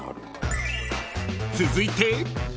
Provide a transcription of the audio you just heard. ［続いて］